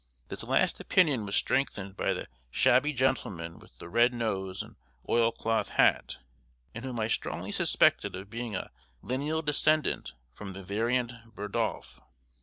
This last opinion was strengthened by the shabby gentleman with the red nose and oilcloth hat, and whom I strongly suspected of being a lineal descendant from the variant Bardolph.